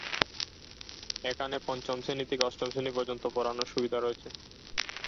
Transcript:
এখানে পঞ্চম শ্রেণি থেকে অষ্টম শ্রেণি পর্যন্ত পড়ানোর সুবিধা রয়েছে।